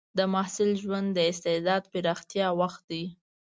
د محصل ژوند د استعداد پراختیا وخت دی.